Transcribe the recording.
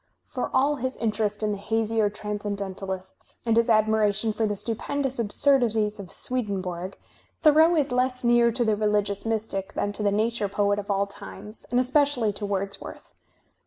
For all his interest in the hazier transcendentalists and his admiration for the stupen dous absurdities of Swedenborg, Thoreau is less near to the religious mystic than to the nature poet of all times, and especially to Wordsworth.